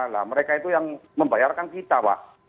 nah mereka itu yang membayarkan kita pak